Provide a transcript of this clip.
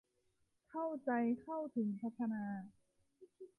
เข้าใจ เข้าถึง พัฒนา